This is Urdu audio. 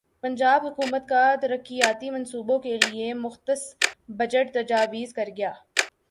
پنجاب حکومت کا ترقیاتی منصوبوں کیلئےمختص بجٹ تجاوزکرگیا